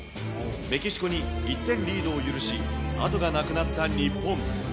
メキシコに１点リードを許し、後がなくなった日本。